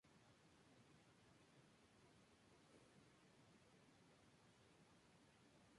Es opositor al gobierno del Partido Comunista de Cuba.